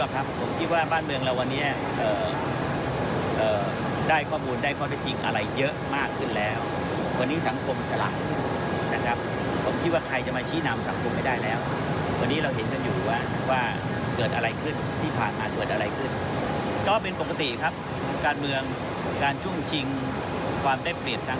การชุ่มฉิงความได้เปรียบทางการเมืองการหาเสียง